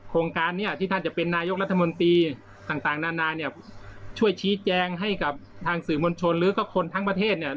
โครงการนี้ที่ท่านจะเป็นนายกรัฐมนตรีต่างต่างนานาเนี่ยช่วยชี้แจงให้กับทางสื่อมวลชนหรือก็คนทั้งประเทศเนี่ย